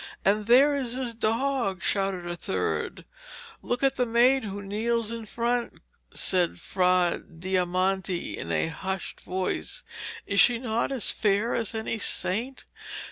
'And there is his dog,' shouted a third. 'Look at the maid who kneels in front,' said Fra Diamante in a hushed voice, 'is she not as fair as any saint?'